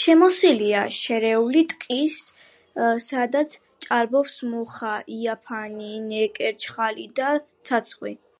შემოსილია შერეული ტყით, სადაც ჭარბობს მუხა, იფანი, ნეკერჩხალი და ცაცხვი.